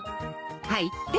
入って。